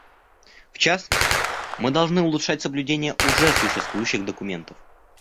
В частности, мы должны улучшать соблюдение уже существующих документов.